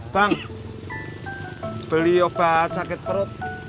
bang beli obat sakit perut